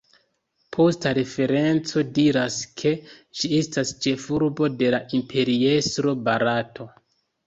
Posta referenco diras ke ĝi estas la ĉefurbo de la Imperiestro Barato.